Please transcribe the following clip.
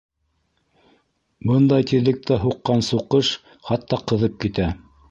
Бындай тиҙлектә һуҡҡан суҡыш хатта ҡыҙып китә.